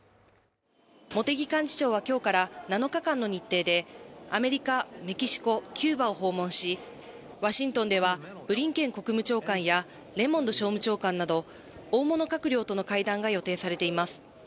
茂木幹事長は今日から７日間の日程でアメリカ、メキシコ、キューバを訪問し、ワシントンではブリンケン国務長官やレモンド商務長官など大物閣僚との会談が予定されています。